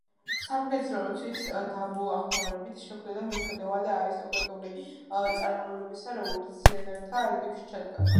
საფრანგეთის რევოლუციას დავუ აღფრთოვანებით შეხვდა და მიუხედავად არისტოკრატული წარმომავლობისა რევოლუციონერთა რიგებში ჩადგა.